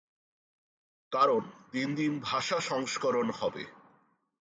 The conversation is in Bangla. কারণ দিন দিন ভাষা সংস্করণ হবে।